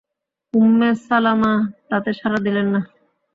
Umme Salama তাতে সাড়া দিলেন না।